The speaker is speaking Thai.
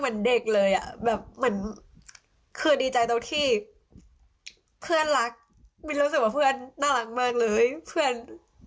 มินรู้สึกว่าเพื่อนน่ารักมากเลยเพื่อน